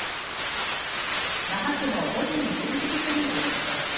那覇市の午前１１時過ぎの様子です。